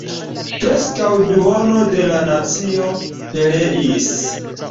Preskaŭ duono de la nacio pereis.